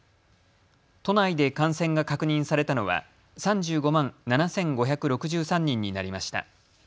都内で感染が確認されたのは３５万７５６３人になりました。